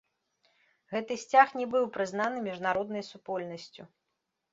Гэты сцяг не быў прызнаны міжнароднай супольнасцю.